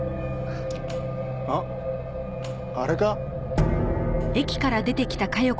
あっあれか？